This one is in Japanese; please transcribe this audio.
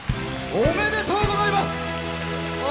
おめでとうございます！